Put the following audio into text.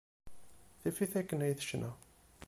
Tif-it akken ay tecna.